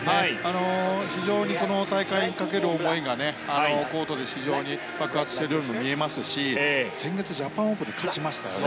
非常にこの大会にかける思いがコートで爆発しているように見えますし先月ジャパンオープンで勝ちましたよね。